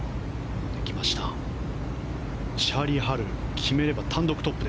チャーリー・ハル決めれば単独トップ。